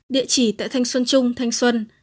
địa chỉ tại thanh xuân trung thanh xuân